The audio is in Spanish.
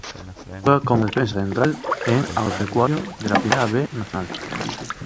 Juega como defensor central en Agropecuario de la Primera B Nacional.